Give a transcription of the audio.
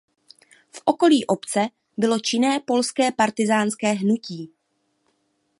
V okolí obce bylo činné polské partyzánské hnutí.